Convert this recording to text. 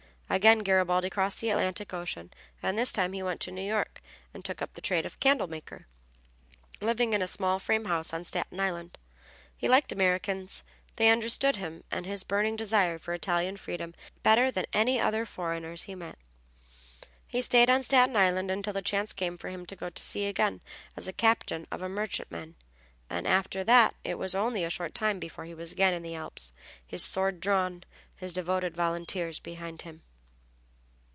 Again Garibaldi crossed the Atlantic Ocean, and this time he went to New York, and took up the trade of candle maker, living in a small frame house on Staten Island. He liked Americans; they understood him and his burning desire for Italian freedom better than any other foreigners he met. He stayed on Staten Island until the chance came for him to go to sea again as captain of a merchantman, and after that it was only a short time before he was again in the Alps, his sword drawn, his devoted volunteers behind him.